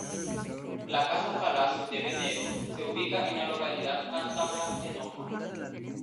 La casa-palacio de Venero se ubica en la localidad cántabra de Noja.